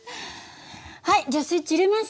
はいじゃあスイッチ入れます！